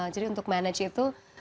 jadi untuk manage itu